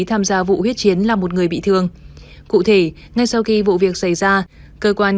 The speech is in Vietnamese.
tham gia vụ huyết chiến là một người bị thương cụ thể ngay sau khi vụ việc xảy ra cơ quan